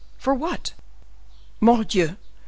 "For what?" "Mordioux!